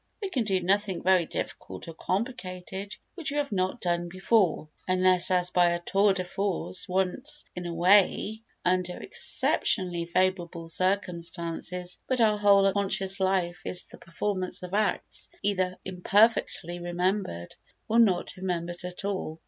We can do nothing very difficult or complicated which we have not done before, unless as by a tour de force, once in a way, under exceptionally favourable circumstances, but our whole conscious life is the performance of acts either imperfectly remembered or not remembered at all.